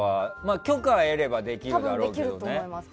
許可を得ればできるんだろうけどね。